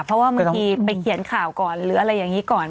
เพราะว่าบางทีไปเขียนข่าวก่อนหรืออะไรอย่างนี้ก่อน